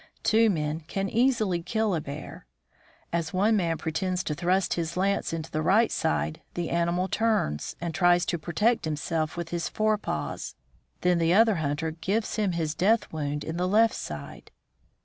Two men can easily kill a bear. As one man pretends to thrust his lance into the right side, the animal turns, and tries to protect himself with his fore paws. Then the other hunter gives him his death wound in the left side.